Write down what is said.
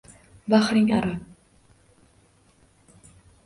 Bahring aro —